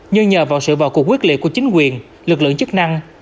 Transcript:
nhưng nhờ vào sự vào cuộc quyết liệt của chính quyền lực lượng chức năng